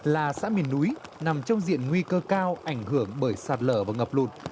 là xã miền núi nằm trong diện nguy cơ cao ảnh hưởng bởi sạt lở và ngập lụt